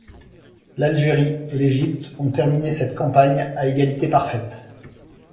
L'Algérie et l'Égypte ont terminé cette campagne à égalité parfaite.